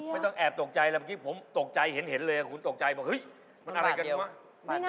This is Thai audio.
ไม่ต้องแอบตกใจผมตกใจเห็นเลยคุณตกใจบอกเฮ้ยมันอะไรกันหรือเปล่า